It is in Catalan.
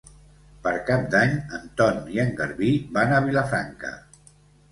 Per Cap d'Any en Ton i en Garbí van a Vilafranca.